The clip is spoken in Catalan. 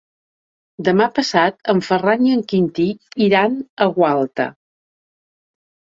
Demà passat en Ferran i en Quintí iran a Gualta.